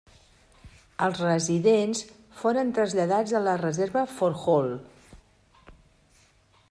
Els residents foren traslladats a la reserva Fort Hall.